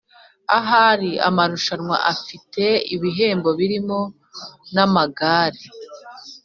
Ahari amarushumwa afite ibihembo birimo namagare